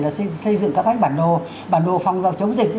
xây dựng các bản đồ bản đồ phòng chống dịch